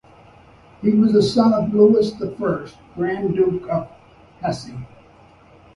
He was the son of Louis the First, Grand Duke of Hesse.